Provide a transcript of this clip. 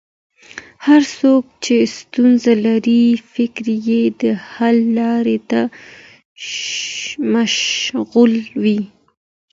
هر څوک چې ستونزه لري، فکر یې د حل لارې ته مشغول وي.